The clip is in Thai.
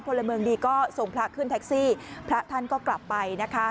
พลเมืองดีก็ส่งพระขึ้นแท็กซี่พระท่านก็กลับไปนะคะ